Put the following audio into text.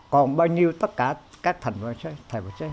còn bao nhiêu tất cả các thành phật sếp thầy phật sếp